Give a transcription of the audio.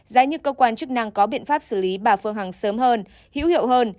giá như cơ quan chức năng có biện pháp xử lý bà phương hằng sớm hơn hữu hiệu hơn